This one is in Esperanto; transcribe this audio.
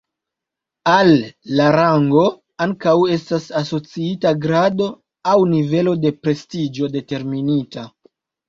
Al la rango ankaŭ estas asociita grado aŭ nivelo de prestiĝo determinita.